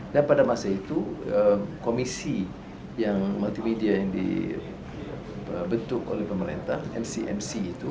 dan pada masa itu komisi yang multimedia yang dibentuk oleh pemerintah mcmc itu